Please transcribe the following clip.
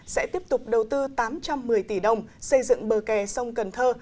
sẽ tiếp tục đầu tư tám trăm một mươi tỷ đồng xây dựng bờ kè sông cần thơ